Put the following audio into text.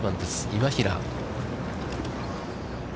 今平。